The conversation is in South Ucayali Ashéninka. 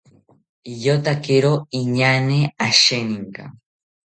Iyotakiro inaañe asheninka